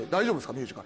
ミュージカル。